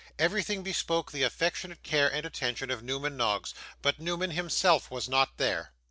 Everything bespoke the affectionate care and attention of Newman Noggs, but Newman himself was not there.